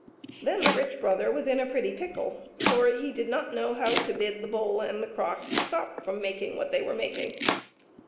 Then the rich brother was in a pretty pickle, for he did not know how to bid the bowl and the crock to stop from making what they were making.